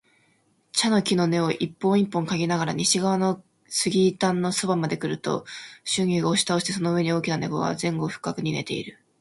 茶の木の根を一本一本嗅ぎながら、西側の杉垣のそばまでくると、枯菊を押し倒してその上に大きな猫が前後不覚に寝ている